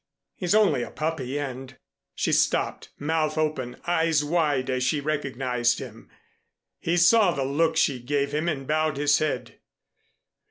He's only a puppy and " She stopped, mouth open, eyes wide as she recognized him. He saw the look she gave him and bowed his head.